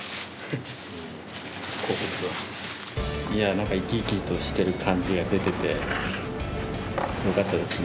なんか生き生きとしている感じが出ててよかったですね。